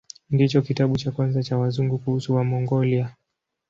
Ndicho kitabu cha kwanza cha Wazungu kuhusu Wamongolia.